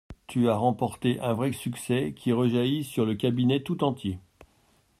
Tu as remporté un vrai succès qui rejaillit sur le cabinet tout entier.